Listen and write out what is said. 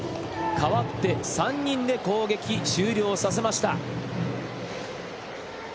代わって３人で攻撃終了させました。